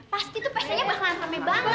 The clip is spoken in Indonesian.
pasti tuh pengennya bakalan rame banget